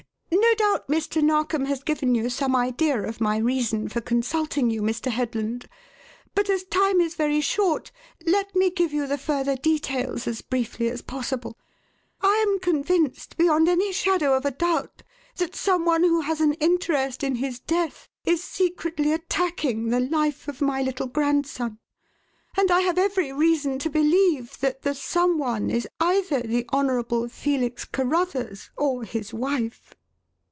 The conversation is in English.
"No doubt Mr. Narkom has given you some idea of my reason for consulting you, Mr. Headland; but as time is very short let me give you the further details as briefly as possible. I am convinced beyond any shadow of a doubt that some one who has an interest in his death is secretly attacking the life of my little grandson; and I have every reason to believe that the 'some one' is either the Honourable Felix Carruthers or his wife."